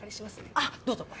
あどうぞ。